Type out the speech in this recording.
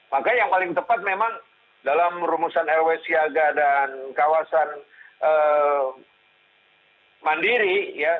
maka yang paling tepat memang dalam rumusan rw siaga dan kawasan mandiri